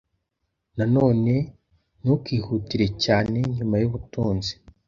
na none; “Ntukihutire cyane nyuma y'ubutunzi.”